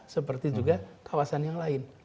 seperti juga kawasan yang lain